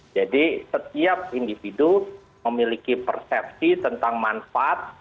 jadi setiap individu memiliki persepsi tentang manfaat